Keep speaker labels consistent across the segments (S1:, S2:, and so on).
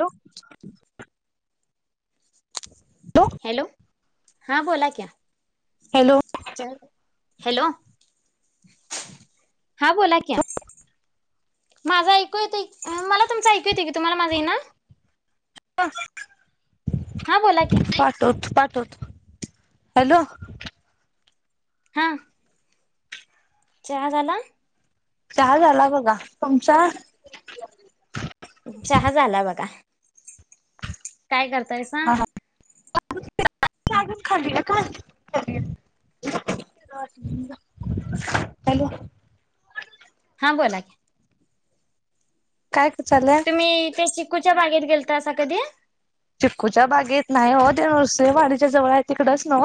S1: Hello.
S2: Hello हा बोला क्या
S1: हॅलो
S2: च हॅलो हा बोला क्या? माझा ऐकू येतं मला तुमच ऐकू येते की तुम्हाला माझ येई ना
S1: हा.
S2: हा बोला क्या
S1: पाठवतो, पाठवतो हॅलो.
S2: हा. चहा झाला?
S1: चहा झाला बघा तुमचा.
S2: चहा झाला बघा काय करतायस?
S1: गच खली.. काय हॅलो..
S2: हा बोला की...
S1: काय? ले
S2: तुम्ही त्या चिकूच्या बागेत गेलतासा कधी
S1: चिकूच्या बागेत नाही होत.. नरसे वाडीच्या जवळ आहे तिकडच ना...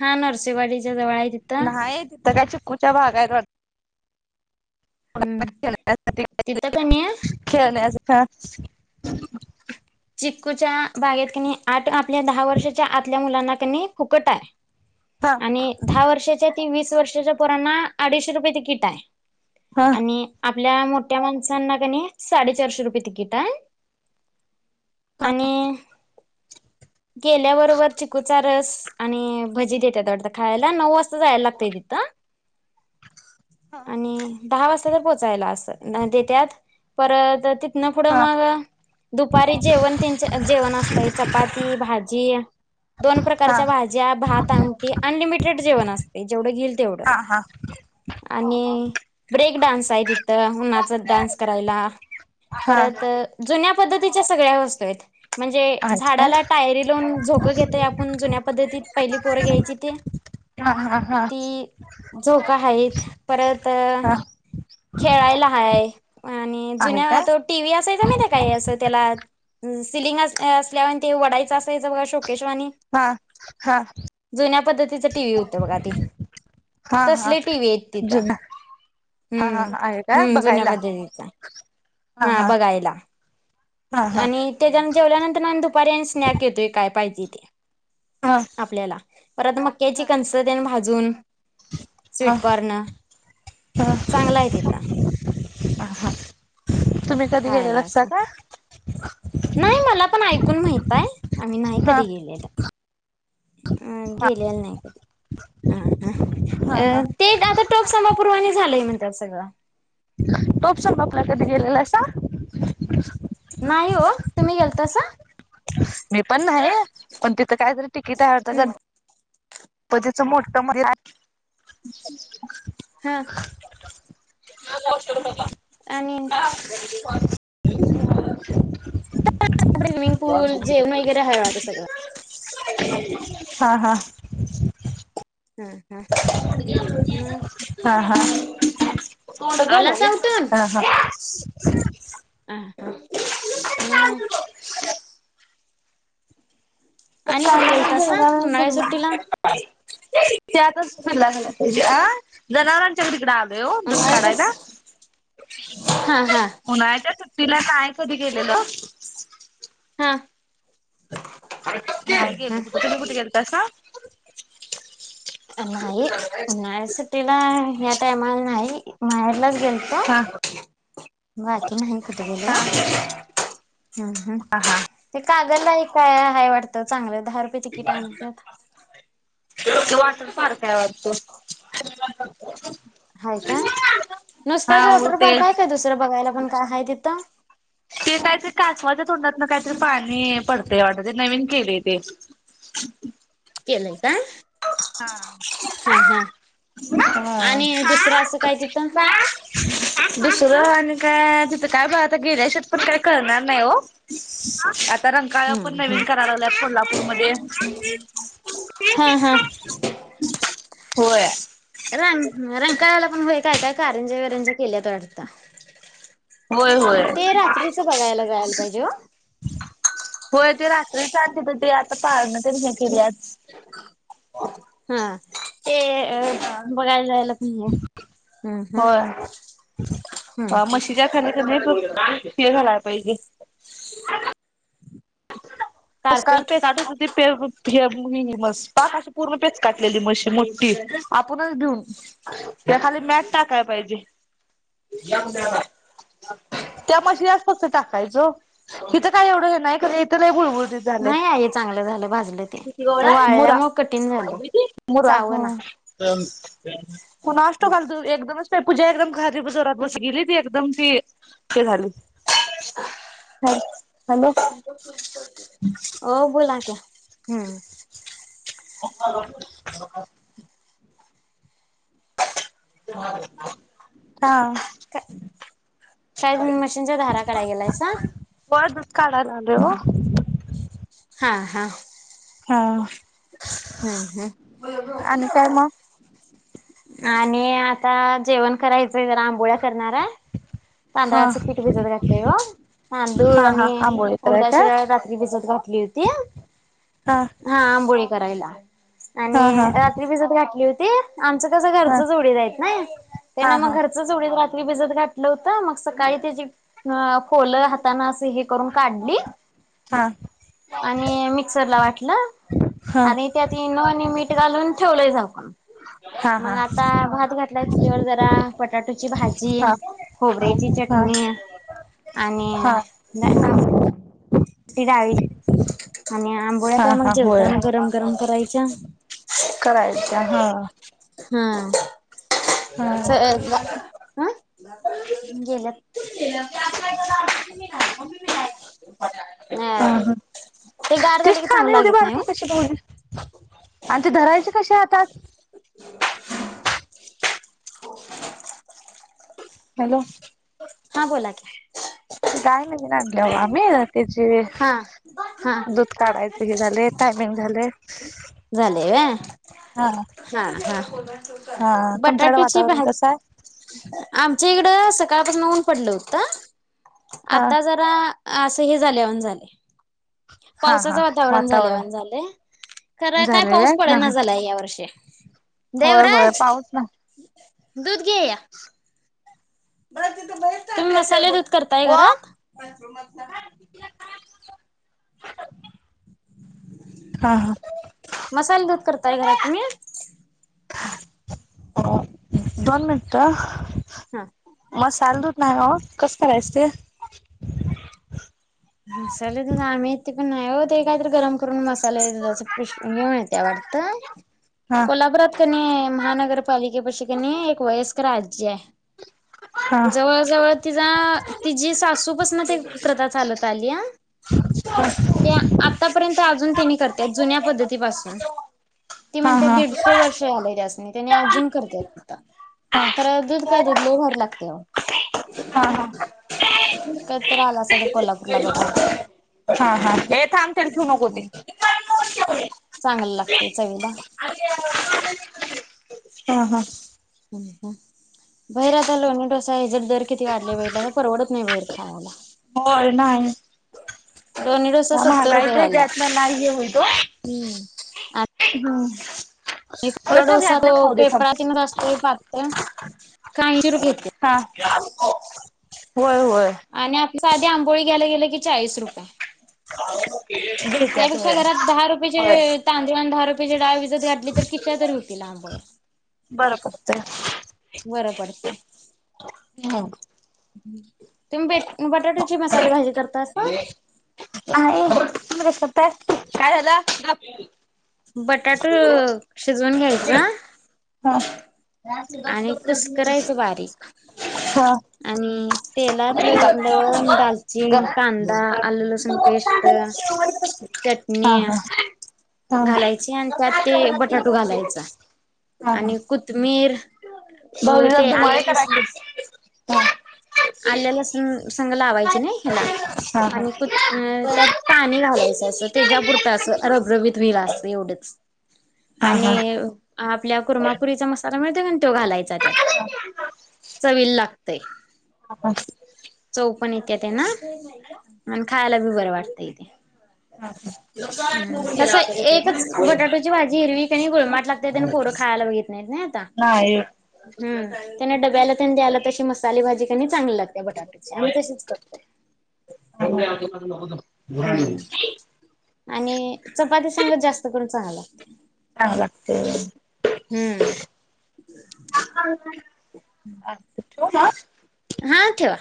S2: हा नरसेवाडीच्या जवळ... तिथं
S1: नाही तिथं काय चिक्कूच्या बागा आहेत वाढत...
S2: हम्म
S1: खेण्या
S2: तिथं कणी
S1: खेळण्यासाठी... फ
S2: चिक्कूच्या बागेत क आठ आपल्या दहा वर्षाच्या आल्या मुलांना कनी फुकट आहे...
S1: हा
S2: आणि दहा वर्षाच्या त वीस वर्षाच्या पोरांना अडीचशे रुपयेची किट आहे...
S1: हा
S2: आणि आ.. आपल्या मोठ्या माणसांना क साडे चारशे रुपये तिकट आहे....
S1: का?
S2: आणि गेल्याबरोबर चिकूचा रस... आणि भजी देतात होय वाढत खायला नऊ वाजता जायला लागतय तिथं... आणि दहा वाजता तर पोहोचायला अस देतत परत त... तिथून पुढे
S1: हा
S2: मग दुपारी जेवण तेच जेवण असते चपाती भाजी... दोन
S1: हा
S2: प्रकारच्या भाज्या भात आणी अनलिमिटेड जेवण असते जेवण असतय.... तेवढ
S1: हा
S2: आणि ब्रेक डान्स आहे तिथ... उन्हाचा डान्स करायला
S1: हा
S2: परत
S1: हा
S2: जुन्या... पद्धतीच्या सगळ्या वस्तू आहेत.... म्हणजे
S1: आहेत काय
S2: झाडाला टायरी लावून झोकं घेते आपण जुन्या पद्धतीत पहिली पोरं घ्यायची ते...
S1: हा हा हा
S2: ती झोका आहेत परत
S1: हा....
S2: खेळायला हाय आणि
S1: आहे
S2: जुन्या
S1: काय
S2: तो टी व्ही असायचा माहिती काय असं त्याला... सिलिंग असल्यावर ते वडायचं असायचं बघा शोकेशवाणी...
S1: हा हा
S2: जुन्या पद्धतीच टी व्ही होत बघा आ ती...
S1: हा हा
S2: तसले टीव्ही य तिथ...
S1: जुना हा हा
S2: हम्म
S1: आहे काय
S2: हम्म जुन्या
S1: बघायला
S2: पद्धतीच हा बघायला....
S1: हा हा
S2: आणि त्याच्यान जेवल्यानंतर आम्ही दुपारी स्नॅक येतोय काय पाहिजे ते....
S1: हा
S2: आपल्याला परत मक्याची
S1: हा
S2: कंसटन भाजून....
S1: हा
S2: स्वीटकॉर्न चांगला आहे तिथ....
S1: ह हा तुम्ही कधी गेलेल
S2: खायला
S1: असता का....
S2: चून माहितय आम्ही नाही
S1: हा
S2: कधी गेले... अ
S1: हा
S2: गेलेलं नाही का ह
S1: हा हा
S2: ह ते आता टोक सभ... पूर्वानी झालंय म्हणत सगळं...
S1: तूप संभापूरला कधी केलेला असा...
S2: नाही हो तुम्ही गेलतासा...
S1: मी पण नाही पण तिथं कायतरी तिकीट हरत गण... प त्याच मोठ म्हध्ये..
S2: हा....
S1: ला
S2: आणि
S1: ह...
S2: स्विमिंग पूल जेवण वगैरे आहे वाढ सगळं...
S1: हा हा...
S2: हा हा मग
S1: हा हा... थोड गण
S2: आलासा
S1: घ
S2: उठून
S1: हा हा...
S2: अ म
S1: प
S2: आणि
S1: का
S2: कुठे
S1: घला म
S2: गेलतासा उन्हाळ्या
S1: बण
S2: सुट्टीला
S1: [unintelligible] त्यातच झाला पाहिजे. अ जनावरांच्या क तिकडेम दुधकाडाय
S2: उन्हाळ्यातच हा हा
S1: [unintelligible] तिला काय कधी केेलेलं. गे
S2: हा
S1: कुठ त कुठ गेलता सा.
S2: नाही नळ सुटीला या्या टायमाला नाही मायार. लगेल का
S1: हा
S2: बाकी नाही कथ बोलया.
S1: हा
S2: हम् हम
S1: हा हा
S2: ते कागलला काय आहे वाटत. चांगलं दहा रुपये तिकीट आहे म्हंटलं.
S1: वॉटर पार्क आहे वाटतो.
S2: ह का नुसता्याच
S1: हो
S2: वॉटर
S1: ते
S2: पार्क आहे काय दुसरं बघायला पण काय आहे तिथं.
S1: ते काहीतरी कासवाच्या तोंडात ना काहीतरी पाणी पडतय वाट ते नवीन केले ते, ह
S2: केलंय का
S1: हा
S2: हा
S1: ह
S2: हा
S1: [unintelligible]
S2: आणि दुसरं असं काय तिथं?
S1: तु आणि काय तिथं काय ब आता गेल्या शेवट पण काय करणार नाही हो! तर रंकाळ पण
S2: हम्म हम्म
S1: नवीन कराय लागल्यात कोल्हापूरमध्ये.
S2: हा हा.
S1: होय!
S2: रंग रंकाळ्याला पण होय काय काय का कारंजे वरेंजे केल्यात वाटत.
S1: होय होय
S2: जायला पाहिजे ओ.
S1: होय ते रात्री सांते ते आता पाळण त्यान हे केल्यात.
S2: हा ते अ
S1: हा
S2: बघायला जायला, ह हम् हम्
S1: होय
S2: हम् ह
S1: त खला पाहिजे. नस्कार
S2: कारपेट
S1: [unintelligible] हे ह म पाक अशी पूर्ण पेच काटलेली मशी मोठी आपणच भेऊन. त्या खाली मॅट टाकायला पाहिजे. त्या म्हशीलाच फक्त टाकायचं ओ इिथं काय एवढं हे नाही खरं इथं लय गुळगुळ झा
S2: नाही आई चांगलं झालं भाजलं ते ते
S1: मुरा
S2: वाळल्यामुळे कठीण झालं
S1: मुरा
S2: चावना
S1: ह कोणा असतो काल तू एकदमच प पूजा एकदम खादी जोरात बस गेली ती एकदम ती ते झाली. ह हॅलो!
S2: हो बोला क हम्म.
S1: ह [unintelligible]
S2: का काय मशीनच्या धारा काढाय गेलायसा
S1: हा ब काढा लागले ओ.
S2: हा हा
S1: हा
S2: हम्म हम्म!
S1: आणि काय मग
S2: आणि आता जेवण करायचंय जरा आंबोळ्या करणार हाय.
S1: हा
S2: तांदळाचं पीठ भिजत घातलं ओ तांदूळ
S1: हा हा
S2: आणि
S1: आंबोळी कराय
S2: उडदा शिळा रात्री भिजत घातली होती.
S1: ह
S2: हा आंबोळी करायला
S1: हा
S2: आणि
S1: हा
S2: रात्री भिजत घातली होती. आमचं कसं
S1: हा
S2: घरच जोडी जा आहेतत ना
S1: हा
S2: त्यांना
S1: हा
S2: मग घरच जोडी रात्री भिजत घातलं हो मग सकाळी त्याची पोल हाताना अस हे करून काढली.
S1: हा
S2: आणि मिक्सर ला वाटलं.
S1: हा हा
S2: आणि त्यात इनो आणि मीठ घालून ठेवलंय झाकून.
S1: हा
S2: मग
S1: हा
S2: आता भात घातलाय चुलीवर जरा बटाटोची भाजी खोबऱ्याची
S1: हा
S2: चटणी आणि
S1: हा
S2: डाळी आणि आंबोळ्या
S1: हा
S2: काय मग
S1: हा होय
S2: जेवताना गरम गरम करायच्या
S1: करायच्या हा
S2: हा. ह
S1: हा.
S2: गेल्यात
S1: [unintelligible] [inaudible]
S2: अ ते गार
S1: तेच
S2: झाल की चांगलं
S1: ठाणे एवढी
S2: लागीत नाय
S1: बारकी
S2: हो
S1: कशी ठेवली आणि ते धरायचे कसे हातात?
S2: [unintelligible] [inaudible]
S1: हॅलो?
S2: हा बोला की
S1: काही [unintelligible] आणल्या आम्ही त्याची
S2: हा हा
S1: दूध काढायच हे झालय, टायमिंग झालय.
S2: झाले व्हय हा. हा.
S1: हा तुमच्याकडे
S2: बटाटूची
S1: वातावरण कसं आहे
S2: भाजी आम आ इकडं सकाळपासून ऊन पडलं होत,
S1: हा
S2: आता जरा अस हे झाल्या वाणी झालय,
S1: हा
S2: पावसाच
S1: हा
S2: वातावरण झाल्यावाणी झालंय. खर काय
S1: झालेलं
S2: पाऊस पडना
S1: आहे
S2: झालाय या वर्षी
S1: होय होय
S2: देवराज
S1: पाऊस ना
S2: दुध घे. तुम्ही मसाले दूध करताय
S1: व
S2: घरात?
S1: हा हा
S2: मसाला दूध करताय घरात तुम्ही?
S1: अ दोन मिनट
S2: हा.
S1: मसाल दूध नाही हो, कसं करायचं ते?
S2: मसाले दूध आम्ही येत ते पण नाही हो ते काहीतरी गरम करून मसा [unintelligible] घेऊन येत्या वाटतं.
S1: हा
S2: कोल्हापुरात कनी, महानगरपालिके पशी कनी, एक वयस्कर आज्जी हाय.
S1: हा
S2: जवळ जवळ तिजा तिजी सासूपसन ती प्रथा चालत ताल्या ते आतापर्यंत अजून त्यांनी करत जुन्या पद्धतीपासून ती
S1: हा
S2: म्हणते
S1: हा हा
S2: दीडशे वर्ष झालय त्यासनी, त्याने अजून करत्यात आता खरा दूध काय दूध लय भारी लागतय
S1: हा
S2: कधीतरी आलासा तर कोल्हापूरला ला बघ
S1: हा हा हे थांब त्याला ठेवू नको ते
S2: चांगलं लागतय चवीला
S1: हा. हा.
S2: भैर आता लोणी हेज्यात दर किती किती वाढलय बागितलासा, परवडत नाही भैर खायला. लोणी डोसा सत्तर
S1: महागाइ
S2: रुपये
S1: पण
S2: झाला.
S1: जास्त [unintelligible] नाही हम्म
S2: हम्म. डोसा तो
S1: दे थांब
S2: पेपरातीन असतोय पातळ [unintelligible]
S1: [unintelligible] [inaudible]
S2: आणि आपली साधी आंबोळी घ्यायला गेले की, चाळीस रुपये.
S1: [unintelligible] [inaudible] घेत्यात
S2: त्यापेक्षा
S1: होय
S2: घरात दहा
S1: होय
S2: रुपयाेचे तांदळ, आणि दहा रुपयाचे डाळ, भिजत घातली तर [unintelligible] तर होतीला. हां. बर.
S1: बरं पडतंय
S2: बर पडतय. तुम्ही ब बटाट्याची मसाली भाजी करतासां?
S1: [unintelligible] [inaudible]
S2: बटाट शिजवून
S1: हा,
S2: घ्यायचा
S1: गप
S2: आणि
S1: गप
S2: कुस्करायचं बारीक.
S1: हा.
S2: आणि तेलात लवंग, दालचीन, कांदा, आलं लसूण पेस्ट
S1: [inaudible] [inaudible]
S2: चटणी.
S1: हा हा
S2: घालायचे आणि त्यात
S1: हा
S2: ते बटाटो घालायचा
S1: हा
S2: आणि कोथमिर.
S1: [inaudible]
S2: आल्या लसूण संग लावायची नाही ह्याला.
S1: हा
S2: आणिु त्यात पाणी घालायचं असं तेच्यापुरत असं रबरबीत. एवढचं
S1: हा हा
S2: आणि आपल्या कुर्मापुरीचा मसाली मिळ- पण तो घालायचा त्यात
S1: हा
S2: चवीला लागतयं.
S1: हा का.
S2: पण येते ते ना आणि खायला बी बरं वाटतं इथे.
S1: हा.
S2: तसं एकच बटाटोची भाजी हिरवी आणि गुळमट लागते आणि पोरं खायला बघित नाहीत नाही आता.
S1: [inaudible]
S2: हम त्यांना डब्याला त्यांनी द्यायला तशी मसाली भाजी क नी चांगली लागते बटाट्याचे आम्ही तशीच करतोयं.
S1: चांग [inaudible]
S2: आणि चपाती संग जास्त करून चांगली लागते.
S1: चांगली लागते.
S2: हम्म.
S1: हो ना.
S2: हा ठेवा.